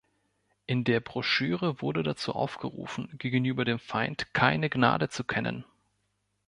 In der Broschüre wurde dazu aufgerufen, „gegenüber dem Feind keine Gnade zu kennen“.